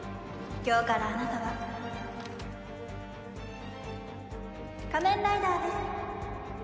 今日からあなたは仮面ライダーです。